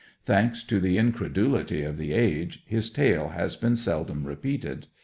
Thanks to the incredulity of the age his tale has been seldom repeated.